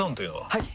はい！